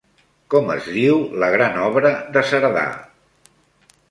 Com es diu la gran obra de Cerdà?